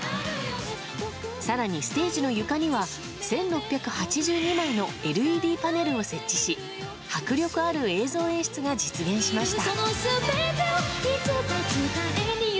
更にステージの床には１６８２枚のＬＥＤパネルを設置し迫力ある映像演出が実現しました。